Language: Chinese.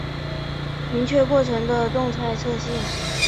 明确进程的动态特性